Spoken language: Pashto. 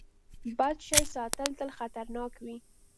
بد شی ساتل تل خطرناک وي.